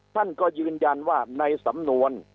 ท่านก็ยืนยันว่าในสำนวน